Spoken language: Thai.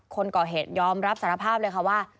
คนก่อเหตุยอมรับสารภาพเลยค่ะว่า